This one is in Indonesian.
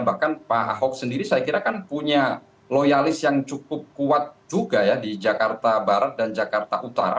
bahkan pak ahok sendiri saya kira kan punya loyalis yang cukup kuat juga ya di jakarta barat dan jakarta utara